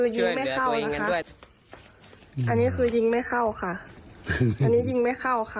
ช่วยเหลือตัวเองกันด้วยอันนี้คือยิงไม่เข้าค่ะอันนี้ยิงไม่เข้าค่ะ